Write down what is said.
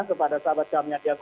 kepada sahabat kami andi arief